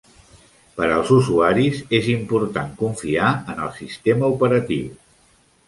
Per als usuaris, és important confiar en el sistema operatiu.